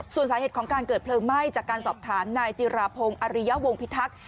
ส่วนสาเหตุของการเกิดเพลิงไหม้จากการสอบถามนายจิราพงศ์อริยวงพิทักษ์